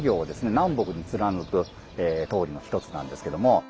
南北に貫く通りの一つなんですけども。